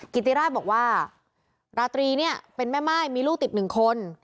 กิติราชบอกว่าราตรีเนี่ยเป็นแม่ม่ายมีลูกติดหนึ่งคน